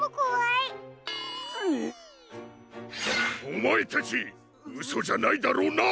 おまえたちうそじゃないだろうな！